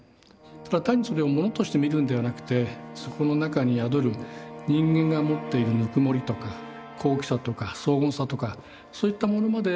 ただ単にそれをモノとして見るんではなくてそこの中に宿る人間が持っているぬくもりとか高貴さとか荘厳さとかそういったものまで